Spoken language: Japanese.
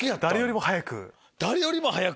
誰よりも早く？